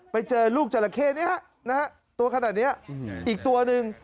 ไปเจอลูกจราเข้นี้นะฮะตัวขนาดนี้อีกตัวหนึ่ง